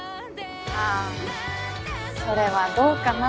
あぁそれはどうかな？